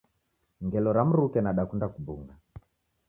Ngelo ra mruke nadakunda kubung'a